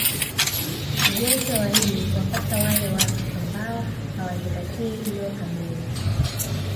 Ugonjwa wa ini huwapata wale watu ambao hawazingatii mlo kamili